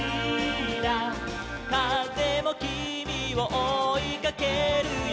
「かぜもきみをおいかけるよ」